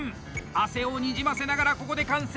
汗をにじませながらここで完成！